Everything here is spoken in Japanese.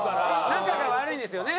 仲が悪いんですよね。